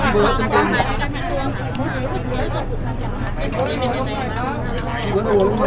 สิ้นแกะหลุม